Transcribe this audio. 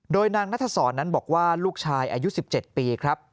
โดยนางนัทศรนั้นบอกว่าลูกชายอายุ๑๗ปีครับ